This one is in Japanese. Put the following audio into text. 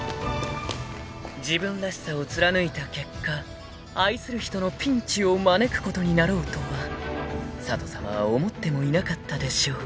［自分らしさを貫いた結果愛する人のピンチを招くことになろうとは佐都さまは思ってもいなかったでしょう］